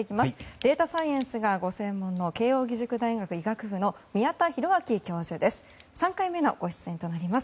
データサイエンスがご専門の慶応義塾大学医学部の宮田裕章教授です。